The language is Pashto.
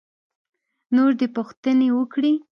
نور دې پوښتنې وکړي.